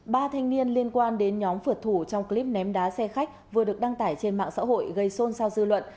ba thanh niên liên quan đến nhóm phượt thủ trong clip ném đá xe khách vừa được đăng tải trên mạng xã hội gây xôn xao dư luận